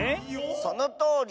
そのとおり。